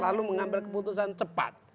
lalu mengambil keputusan cepat